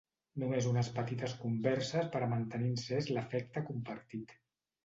Només unes petites converses per a mantenir encés l’afecte compartit.